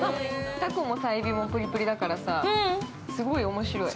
◆タコもエビもプリプリだからさ、すごいおもしろい。